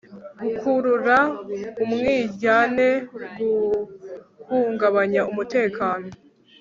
gukurura umwiryane guhungabanya umutekano